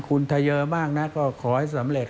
คุณถ้าเยอะมากนะก็ขอให้สำเร็จ